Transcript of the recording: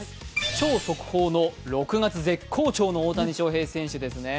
超速報の６月絶好調の大谷翔平選手ですね。